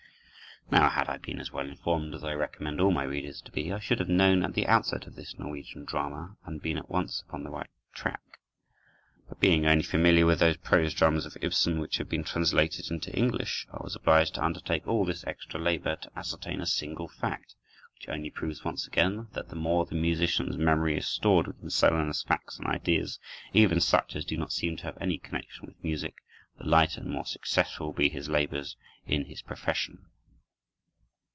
Now had I been as well informed as I recommend all my readers to be, I should have known at the outset of this Norwegian drama, and been at once upon the right track. But being only familiar with those prose dramas of Ibsen which have been translated into English, I was obliged to undertake all this extra labor, to ascertain a single fact; which only proves once again, that the more the musician's memory is stored with miscellaneous facts and ideas, even such as do not seem to have any connection with music, the lighter and more successful will be his labors in his profession.